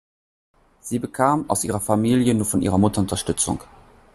Sie bekam aus ihrer Familie nur von ihrer Mutter Unterstützung.